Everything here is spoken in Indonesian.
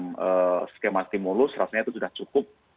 dengan semacam skema stimulus rasanya itu sudah cukup